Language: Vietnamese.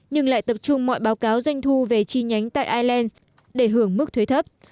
nhưng lại tập trung mọi báo cáo doanh thu về chi nhánh tại ireland để hưởng mức thuế thấp